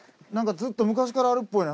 ずっと昔からあるっぽいな。